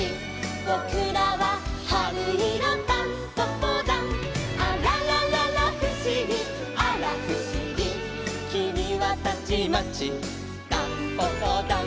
「ぼくらははるいろタンポポだん」「あららららふしぎあらふしぎ」「きみはたちまちタンポポだん」